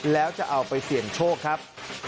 แล้วจะเอาไปเสี่ยงโชคครับ